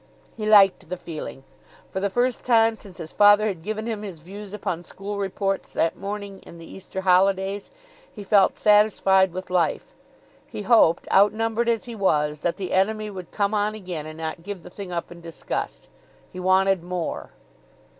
He liked the feeling; for the first time since his father had given him his views upon school reports that morning in the Easter holidays, he felt satisfied with life. He hoped, outnumbered as he was, that the enemy would come on again and not give the thing up in disgust; he wanted more.